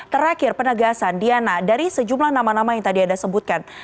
terakhir penegasan diana dari sejumlah nama nama yang tadi anda sebutkan